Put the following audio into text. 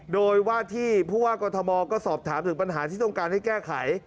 โดยว่าที่ผู้ว่ากรทมก็สอบถามถึงปัญหาที่ต้องการให้แก้ไข